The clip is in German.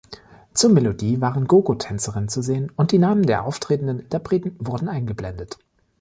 Zur Melodie waren Gogo-Tänzerinnen zu sehen und die Namen der auftretenden Interpreten wurden eingeblendet.